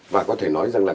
và có thể nói rằng là